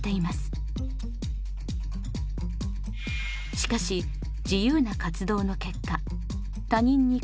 しかし自由な活動の結果